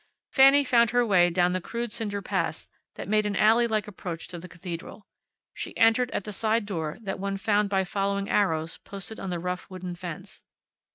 Fanny found her way down the crude cinder paths that made an alley like approach to the cathedral. She entered at the side door that one found by following arrows posted on the rough wooden fence.